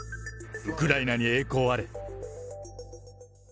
ウクライナに栄光あれ。